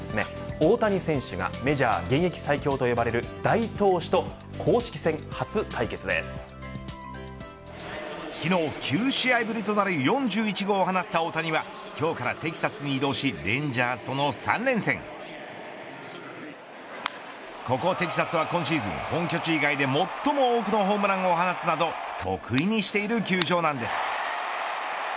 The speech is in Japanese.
大谷選手がメジャー現役最強と呼ばれる昨日９試合ぶりとなる４１号を放った大谷は今日からテキサスに移動しレンジャーズとの３連戦ここテキサスは、今シーズン本拠地以外で最も多くのホームランを放つなど得意にしている球場なんです。